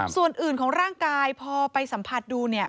ส่วนอื่นของร่างกายพอไปสัมผัสดูเนี่ย